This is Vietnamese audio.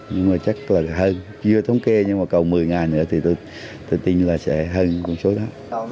nhưng mà chắc là hơn chưa thống kê nhưng mà còn một mươi ngày nữa thì tôi tin là sẽ hơn con số đó